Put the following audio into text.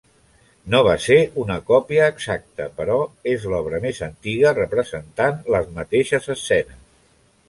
No va ser una còpia exacta però és l'obra més antiga representant les mateixes escenes.